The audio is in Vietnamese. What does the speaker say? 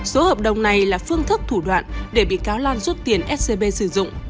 số hợp đồng này là phương thức thủ đoạn để bị cáo lan rút tiền scb sử dụng